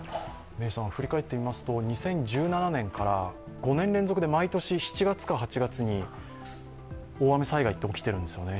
振り返ってみますと、２０１７年から５年連続で毎年７月か８月に大雨災害が起きているんですよね。